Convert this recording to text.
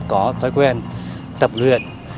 có thói quen tập luyện